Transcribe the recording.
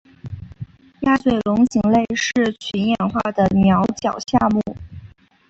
鸭嘴龙形类是群衍化的鸟脚下目。